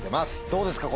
どうですか？